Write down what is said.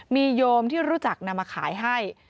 มีโยมที่รู้จักนำมาขายให้